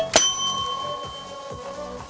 ไม่รู้